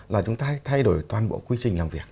là chúng ta thay đổi toàn bộ quy trình làm việc